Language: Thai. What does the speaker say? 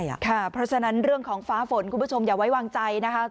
เพราะฉะนั้นเรื่องของฟ้าฝนคุณผู้ชมอย่าไว้วางใจนะคะ